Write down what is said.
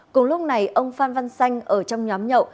cùng lúc này ông phan văn xanh ở trong nhóm nhậu